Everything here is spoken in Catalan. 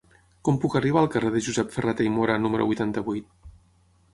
Com puc arribar al carrer de Josep Ferrater i Móra número vuitanta-vuit?